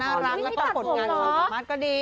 แล้วก็ผลงานของผู้ชมมากก็ดี